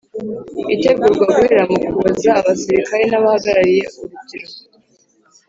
Itegurwa Guhera Mu Kuboza Abasirikare N Abahagarariye urbyiruko